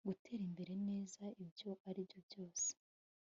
gutera imbere neza!' ibyo byari byose